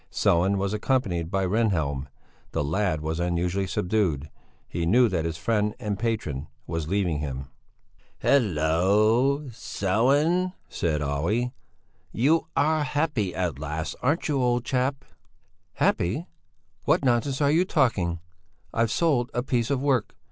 Sellén was accompanied by Rehnhjelm; the lad was unusually subdued; he knew that his friend and patron was leaving him. "Hallo! Sellén," said Olle, "you are happy at last, aren't you, old chap?" "Happy? What nonsense you are talking! I've sold a piece of work!